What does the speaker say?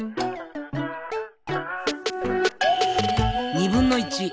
２分の１。